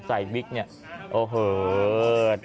ใส่บิ๊กเนี่ยโอ้เฮอร์